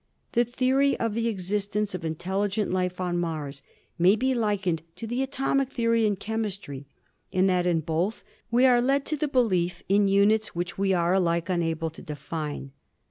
The theory of the existence of intelligent life on Mars may be likened to the atomic theory in chemis try, in that in both we are led to the belief in units which we are alike unable to define.